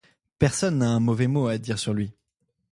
Personne n'a un mauvais mot à dire sur lui.